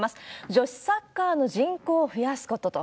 女子サッカーの人口を増やすことと。